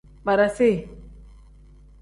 Barasi.